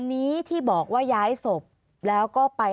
อันดับสุดท้ายแก่มือ